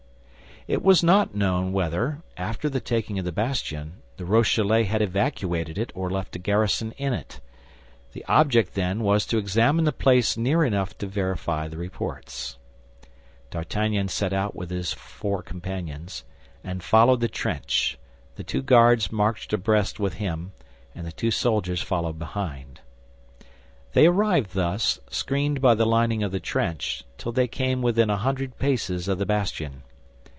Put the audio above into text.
It was not known whether, after the taking of the bastion, the Rochellais had evacuated it or left a garrison in it; the object then was to examine the place near enough to verify the reports. D'Artagnan set out with his four companions, and followed the trench; the two Guards marched abreast with him, and the two soldiers followed behind. They arrived thus, screened by the lining of the trench, till they came within a hundred paces of the bastion.